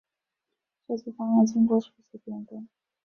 设计方案经过数次变更。